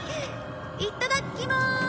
いっただっきます！